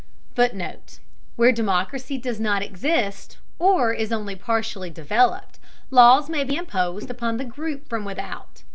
[Footnote: Where democracy does not exist, or is only partially developed, laws may be imposed upon the group from without.